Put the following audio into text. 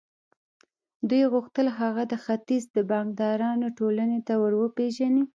دوی غوښتل هغه د ختیځ د بانکدارانو ټولنې ته ور وپېژني